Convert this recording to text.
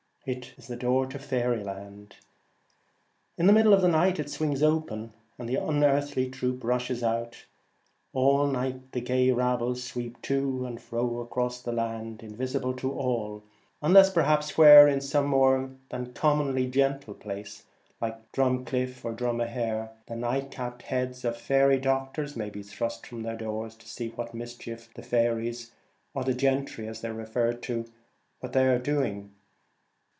It is the door of faery land. In the middle of night it swings open, and the unearthly troop rushes out. All night the gay rabble sweep to and fro across the land, invisible to all, unless perhaps where, in some more than commonly ' gentle ' place — Drumcliff or Drum a hair — the night capped heads of faery doctors may be thrust from their doors to see what mis chief the ' gentry ' are doing.